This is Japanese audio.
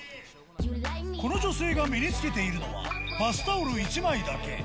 この女性が身につけているのは、バスタオル１枚だけ。